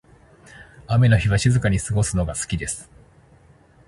雨の日は静かに過ごすのが好きです。